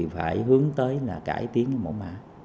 phải hướng tới là cải tiến mẫu mạ